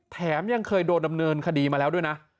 แถมยังเคยโดนดำเนินคดีมาแล้วด้วยนะ